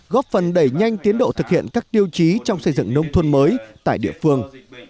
góp phần đẩy nhanh tiến độ thực hiện các tiêu chí trong xây dựng nông thôn mới tại địa phương